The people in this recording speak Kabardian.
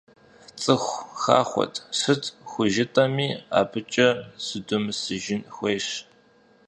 ЦӀыху хахуэт, сыт хужытӀэми, абыкӀэ зыдумысыжын хуейщ.